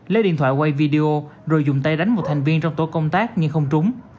lấy điện thoại quay video rồi dùng tay đánh một thành viên trong tổ công tác nhưng không trúng